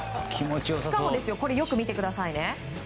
しかも、よく見てくださいね。